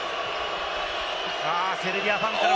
セルビアファンから。